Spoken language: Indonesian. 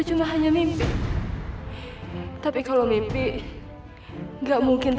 jangan deketin aku